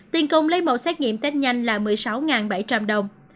tiền công lấy mẫu xét nghiệm tết nhanh là một mươi sáu bảy trăm linh đồng